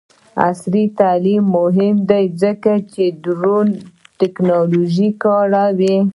عصري تعلیم مهم دی ځکه چې د ډرون ټیکنالوژي کاروي.